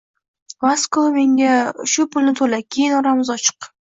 Vasko, menga shu pulni toʻla, keyin – oramiz ochiq…